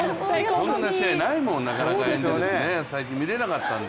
こんな試合ないもん、なかなかエンゼルス、最近見れなかったんで。